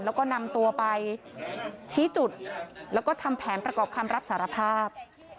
แล้วก็นำตัวไปชี้จุดแล้วก็ทำแผนประกอบคำรับสารภาพ